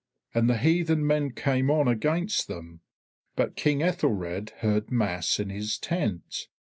And the heathen men came on against them. But King Aethelred heard mass in his tent.